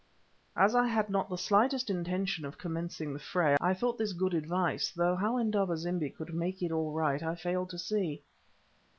As I had not the slightest intention of commencing the fray, I thought this good advice, though how Indaba zimbi could "make it all right" I failed to see.